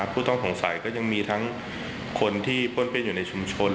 ผู้ต้องสงสัยก็ยังมีทั้งคนที่ป้นเปี้ยนอยู่ในชุมชน